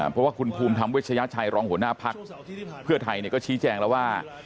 เพราะว่าคุณภูมิทำวิชยาชายรองหัวหน้าภักร์เพื่อไทยเนี่ยก็ชี้แจ้งแล้วว่า